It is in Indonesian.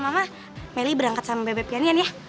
mama meli berangkat sama bebek pianian ya